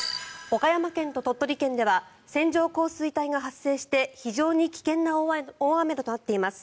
岡山県と鳥取県では線状降水帯が発生して非常に危険な大雨となっています。